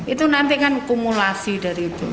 itu nanti kan kumulasi dari itu